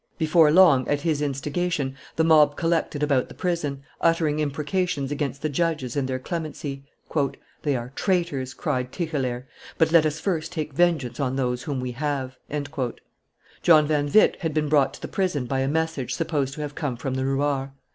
Before long, at his instigation, the mob collected about the prison, uttering imprecations against the judges and their clemency. "They are traitors!" cried Tichelaer, "but let us first take vengeance on those whom we have." John van Witt had been brought to the prison by a message supposed to have come from the ruart.